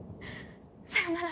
さよなら。